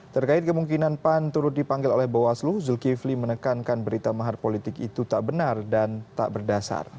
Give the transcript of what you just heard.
terkait kemungkinan pan turut dipanggil oleh bawaslu zulkifli menekankan berita mahar politik itu tak benar dan tak berdasar